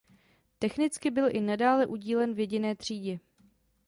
Technicky byl i nadále udílen v jediné třídě.